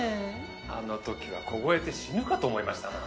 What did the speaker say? あのときは凍えて死ぬかと思いましたな。